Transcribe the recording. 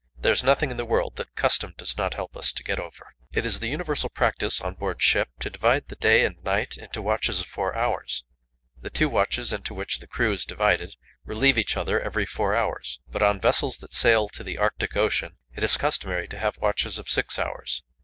There is nothing in the world that custom does not help us to get over. It is the universal practice on board ship to divide the day and night into watches of four hours; the two watches into which the crew is divided relieve each other every four hours. But on vessels that sail to the Arctic Ocean, it is customary to have watches of six hours.